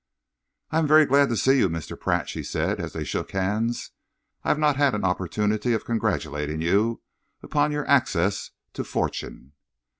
"I am very glad to see you, Mr. Pratt," she said, as they shook hands. "I have not had an opportunity of congratulating you upon your access to fortune."